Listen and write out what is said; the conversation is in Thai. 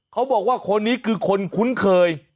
เขาบอกว่าคนนี้คือคนคุ้นเคย